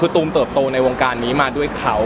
ตูมเติบโตในวงการนี้มาด้วยเขา